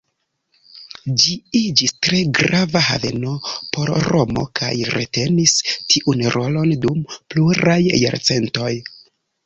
Ĝi iĝis tre grava haveno por Romo kaj retenis tiun rolon dum pluraj jarcentoj.